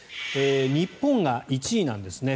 日本が１位なんですね。